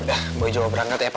udah boy jauh berangkat ya pa